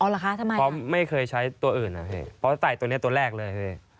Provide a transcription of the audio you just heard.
อ๋อเหรอคะทำไมครับเพราะไม่เคยใช้ตัวอื่นนะครับเพราะใส่ตัวนี้ตัวแรกเลย